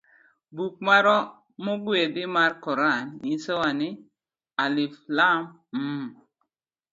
Buk marwa mogwedhi mar koran nyisowa ni ; 'Alif Lam Mym'.